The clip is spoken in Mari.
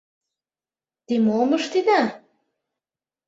Те мом ыштеда?